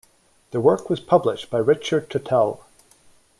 The work was published by Richard Tottell.